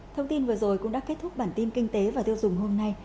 thông tin vừa rồi cũng đã kết thúc bản tin kinh tế và tiêu dùng hôm nay